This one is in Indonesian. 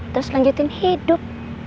terus lanjutin hidup